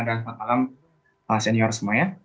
dan selamat malam senior semua